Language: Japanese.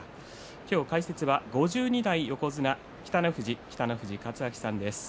今日、解説は５２代横綱北の富士の北の富士勝昭さんです。